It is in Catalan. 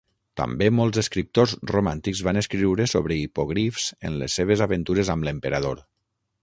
També molts escriptors romàntics van escriure sobre hipogrifs en les seves aventures amb l'emperador.